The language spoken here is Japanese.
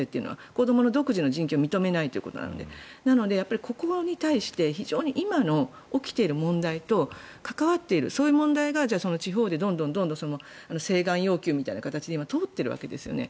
子ども独自の権利を認めないということなのでここに対して今の起きている問題と関わっているそういう問題が地方でどんどん請願要求みたいなかたちで今、通っているわけですね。